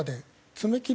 爪切り。